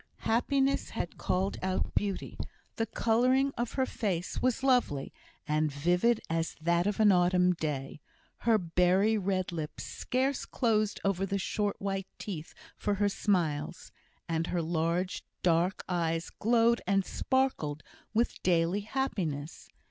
Happiness had called out beauty; the colouring of her face was lovely, and vivid as that of an autumn day; her berry red lips scarce closed over the short white teeth for her smiles; and her large dark eyes glowed and sparkled with daily happiness.